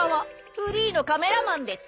フリーのカメラマンです。